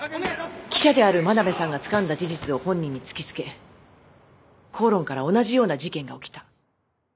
記者である真鍋さんがつかんだ事実を本人に突き付け口論から同じような事件が起きた。